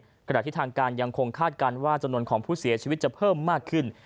ในขณะที่ทางการยังคงคาดการณ์ว่า